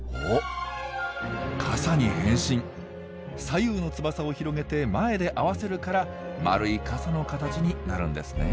左右の翼を広げて前で合わせるから丸い傘の形になるんですね。